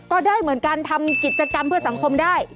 ก็ได้เหมือนกันทำกิจกรรมเพื่อสังคมได้